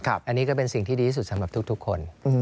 อันนี้ก็เป็นสิ่งที่ดีที่สุดสำหรับทุกคน